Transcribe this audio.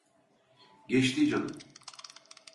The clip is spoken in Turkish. Geçti canım.